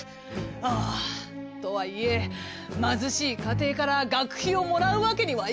『あとはいえ貧しい家庭から学費をもらうわけにはいかない。